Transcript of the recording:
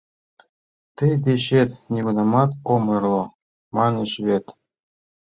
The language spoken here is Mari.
«Тый дечет нигунамат ом ойырло» маньыч вет?